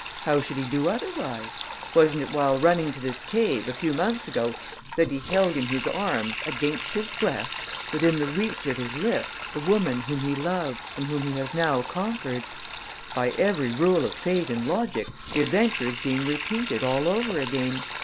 How should he do otherwise? Wasn't it while running to this cave, a few months ago, that he held in his arms, against his breast, within reach of his lips, the woman whom he loved and whom he has now conquered? By every rule of fate and logic, the adventure is being repeated all over again